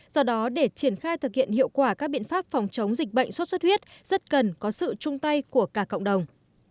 do đó để triển khai thực hiện hiệu quả các biện pháp phòng chống dịch bệnh xuất xuất huyết rất cần có sự chung tay của cả cộng đồng